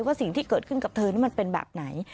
ว่าสิ่งที่เกิดขึ้นกับเธอนี่มันเป็นแบบไหน